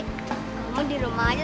kamu di rumah aja sama dia